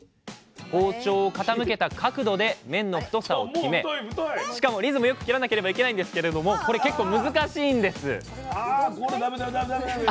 包丁を傾けた角度で麺の太さを決めしかもリズムよく切らなければいけないんですけれどもこれ結構難しいんですあこれダメダメダメ！